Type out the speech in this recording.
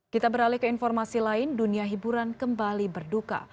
kita beralih ke informasi lain dunia hiburan kembali berduka